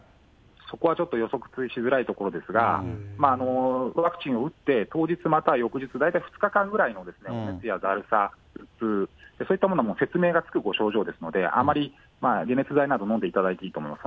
そこはちょっと予測しづらいところですが、ワクチンを打って当日または翌日、大体２日間ぐらいのお熱やだるさ、頭痛、そういったものも説明がつく症状ですので、あまり、解熱剤などをのんでいただいていいと思います。